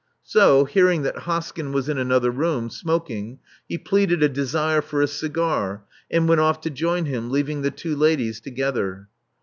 So, hearing that Hoskyn was in another room, smok ing, he pleaded a desire for a cigar, and went off tc join him, leaving the two ladies together.